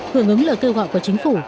hưởng ứng lời kêu gọi của chính phủ